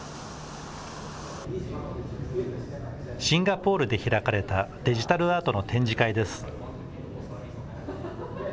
シンガポールで開かれたデジタルアートの展示会です。